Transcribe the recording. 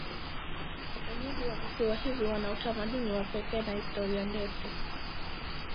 Wenyeji wa visiwa hivi wana utamaduni wa pekee na historia ndefu.